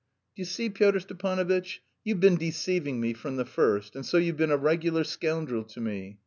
"D'you see, Pyotr Stepanovitch, you've been deceiving me from the first, and so you've been a regular scoundrel to me.